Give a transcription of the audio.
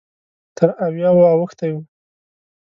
تر اویاوو اوښتی و.